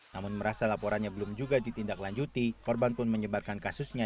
namun merasa laporannya belum juga ditindaklanjuti korban pun menyebarkan kasusnya